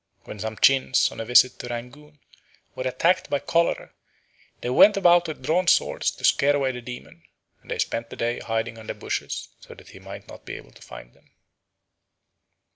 When some Chins on a visit to Rangoon were attacked by cholera, they went about with drawn swords to scare away the demon, and they spent the day hiding under bushes so that he might not be able to find them.